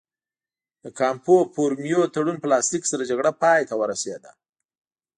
د کامپو فورمیو تړون په لاسلیک سره جګړه پای ته ورسېده.